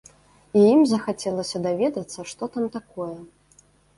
І ім захацелася даведацца, што там такое.